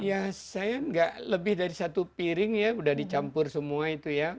ya saya nggak lebih dari satu piring ya udah dicampur semua itu ya